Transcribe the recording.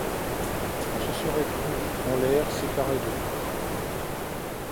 On se serait cru en l'air, séparé de tout.